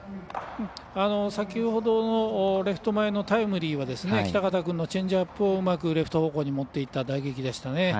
先ほどのレフト前のタイムリーは北方君のチェンジアップをうまくレフト方向に持っていった打撃でしたね。